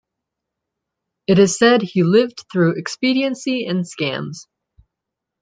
It is said he lived through expediency and scams.